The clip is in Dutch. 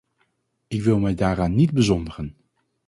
Ik wil mij daaraan niet bezondigen.